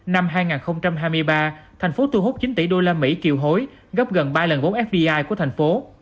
năm hai nghìn hai mươi ba thành phố thu hút chín tỷ usd kiều hối gấp gần ba lần vốn fdi của thành phố